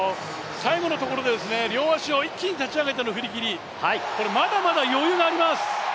最後のところで両足を一気に立ち上げての振り切り、これまだまだ余裕があります。